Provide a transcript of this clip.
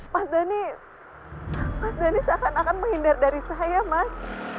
mas dhani mas dhani seakan akan menghindar dari saya mas